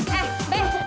berapa nanti nek